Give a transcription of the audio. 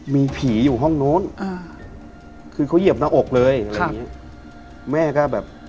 มีผีอยู่ห้องนู้นอ่าคือเขาเหยียบหน้าอกเลยอะไรอย่างงี้แม่ก็แบบ